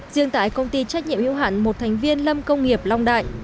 riêng tại công ty trách nhiệm hữu hạn một thành viên lâm công nghiệp long đại